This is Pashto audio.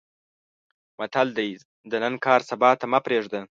متل دی: د نن کار سبا ته مه پرېږده.